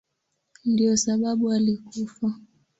Ndiyo sababu alikufa.